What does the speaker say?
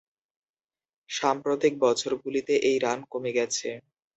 সাম্প্রতিক বছরগুলিতে এই রান কমে গেছে।